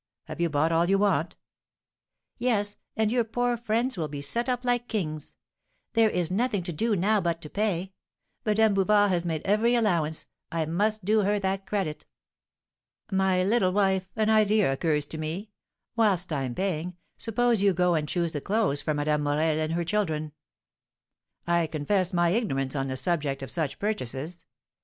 Have you bought all you want?" "Yes; and your poor friends will be set up like kings. There is nothing to do now but to pay; Madame Bouvard has made every allowance, I must do her that credit." "My little wife, an idea occurs to me; whilst I am paying, suppose you go and choose the clothes for Madame Morel and her children? I confess my ignorance on the subject of such purchases.